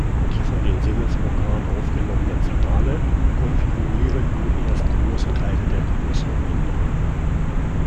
Die von den Sinnesorganen aufgenommenen Signale konfigurieren nun erst große Teile der Großhirnrinde.